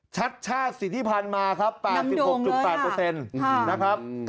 ชัชชาติสิทธิพันธุ์มาปาก๑๖๘